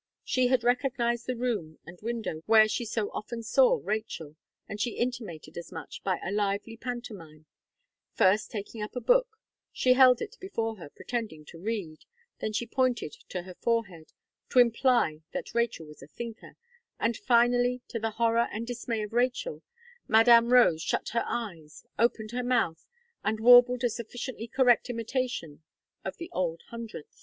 She had recognized the room and window where she so often saw Rachel; and she intimated as much, by a lively pantomime; first taking up a book, she held it before her, pretending to read; then she pointed to her forehead, to imply that Rachel was a thinker; and finally, to the horror and dismay of Rachel, Madame Rose shut her eyes, opened her mouth, and warbled a sufficiently correct imitation of the old hundredth.